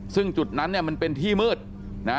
ซึ่งจุดนั้นเนี่ยมันเป็นที่มืดนะ